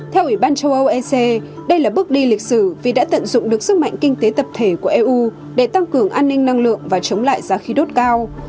theo ủy ban châu âu ec đây là bước đi lịch sử vì đã tận dụng được sức mạnh kinh tế tập thể của eu để tăng cường an ninh năng lượng và chống lại giá khí đốt cao